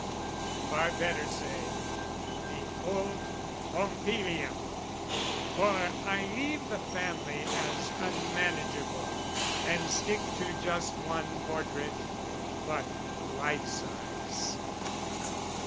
Far better say "Behold Pompilia!" (for I leave the family as unmanageable, And stick to just one portrait, but life size.)